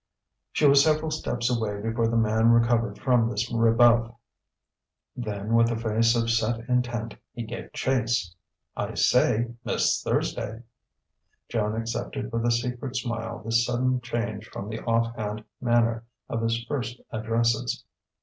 She was several steps away before the man recovered from this rebuff. Then, with a face of set intent, he gave chase. "I say Miss Thursday!" Joan accepted with a secret smile this sudden change from the off hand manner of his first addresses.